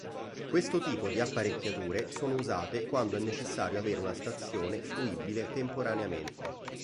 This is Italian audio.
Questo tipo di apparecchiature sono usate quando è necessario avere una stazione fruibile temporaneamente.